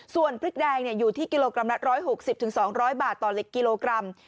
ส่วนพริกแดงอยู่ที่กิโลกรัมละ๑๖๐๒๐๐บาทต่อกิโลกรัม